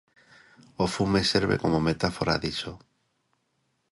O fume serve como metáfora diso.